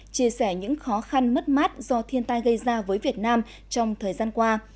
chia sẻ những khó khăn mất mát do thiên tai gây ra với việt nam trong thời gian qua